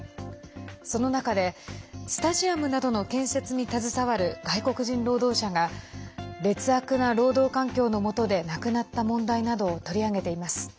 その中で、スタジアムなどの建設に携わる外国人労働者が劣悪な労働環境のもとで亡くなった問題などを取り上げています。